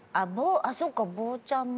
そっかボーちゃんもか。